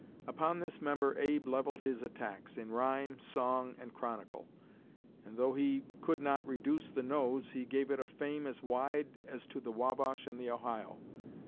Upon this member Abe levelled his attacks, in rhyme, song, and chronicle; and though he could not reduce the nose he gave it a fame as wide as to the Wabash and the Ohio.